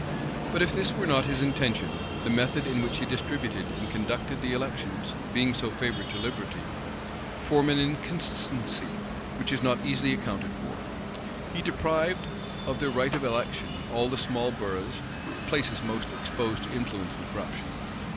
But if this were not his intention, the method in which he distributed and conducted the elections, being so favorable to liberty, form an inconsistency which is not easily accounted for. He deprived of their right of election all the small boroughs, places the most exposed to influence and corruption.